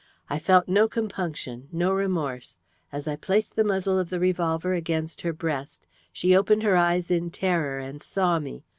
I felt no compunction no remorse. As I placed the muzzle of the revolver against her breast, she opened her eyes in terror, and saw me.